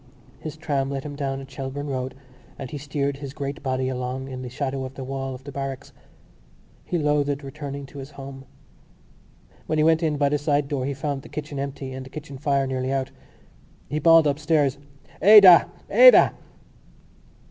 His tram let him down at Shelbourne Road and he steered his great body along in the shadow of the wall of the barracks. He loathed returning to his home. When he went in by the side door he found the kitchen empty and the kitchen fire nearly out. He bawled upstairs: "Ada! Ada!"